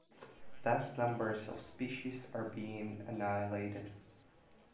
Vast numbers of species are being annihilated.